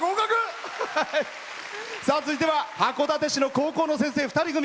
続いては函館市の高校の先生２組。